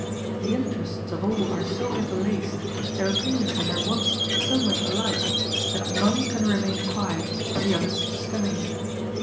The interests of all are so interlaced, their opinions and their wants so much alike, that none can remain quiet when the others stir.